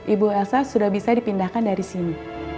ibu elsa sudah bisa dipindahkan dari sini